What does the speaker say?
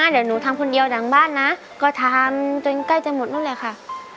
เดี๋ยวหนูทำคนเดียวหนังบ้านนะก็ทำจนใกล้จะหมดนู้นแหละค่ะ